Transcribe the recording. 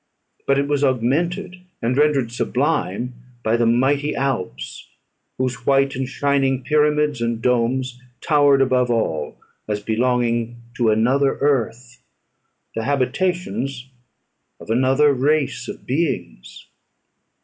But it was augmented and rendered sublime by the mighty Alps, whose white and shining pyramids and domes towered above all, as belonging to another earth, the habitations of another race of beings.